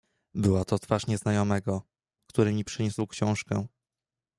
"Była to twarz nieznajomego, który mi przyniósł książkę."